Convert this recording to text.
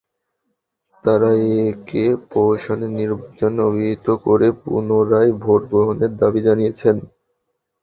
তাঁরা একে প্রহসনের নির্বাচন অভিহিত করে পুনরায় ভোট গ্রহণের দাবি জানিয়েছেন।